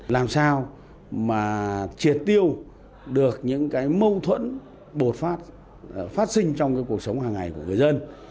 làm sao mà triệt tiêu được những mâu thuẫn bột phát phát sinh trong cuộc sống hàng ngày của người dân